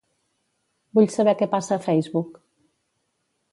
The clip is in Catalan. Vull saber què passa a Facebook.